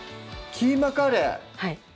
キーマカレー！